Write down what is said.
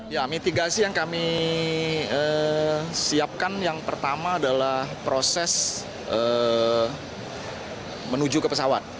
ya mitigasi yang kami siapkan yang pertama adalah proses menuju ke pesawat